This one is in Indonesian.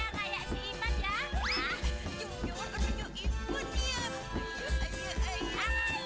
tidak mukanya seperti si iman